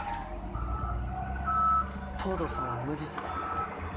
藤堂さんは無実だ。